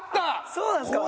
そうなんですか？